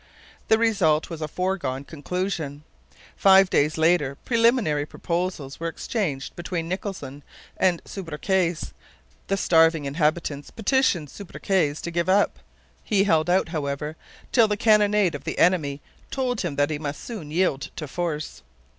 The result was a foregone conclusion. Five days later preliminary proposals were exchanged between Nicholson and Subercase. The starving inhabitants petitioned Subercase to give up. He held out, however, till the cannonade of the enemy told him that he must soon yield to force.